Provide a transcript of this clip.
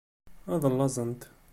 Ad llaẓent.